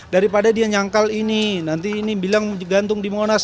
daripada dia nyangkal ini nanti ini bilang gantung di monas